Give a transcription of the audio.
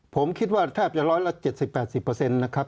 ผมคิดว่าแทบจะร้อยละ๗๐๘๐นะครับ